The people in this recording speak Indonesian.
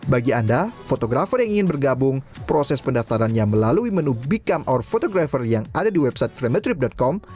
bagi anda fotografer yang ingin bergabung proses pendaftarannya melalui menu become our photographer yang ada di website frametrip com